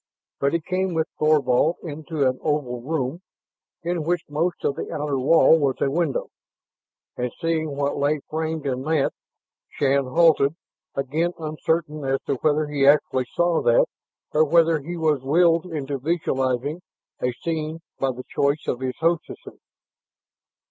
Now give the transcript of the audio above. But he came with Thorvald into an oval room in which most of the outer wall was a window. And seeing what lay framed in that, Shann halted, again uncertain as to whether he actually saw that, or whether he was willed into visualizing a scene by the choice of his hostesses.